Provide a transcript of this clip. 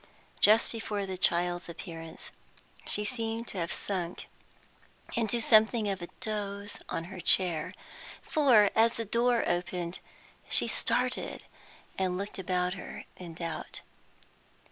Just before the child's appearance, she seemed to have sunk into something of a doze on her chair, for, as the door opened, she started and looked about her in doubt.